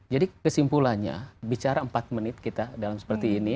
kesimpulannya bicara empat menit kita dalam seperti ini